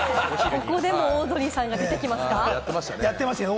ここでもオードリーさんが出てきますか？